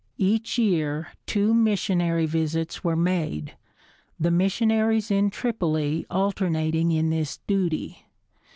Each year two missionary visits were made, the missionaries in Tripoli alternating in this duty.